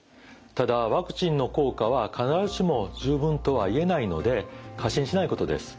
ただワクチンの効果は必ずしも十分とは言えないので過信しないことです。